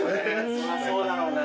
そりゃそうだろうな。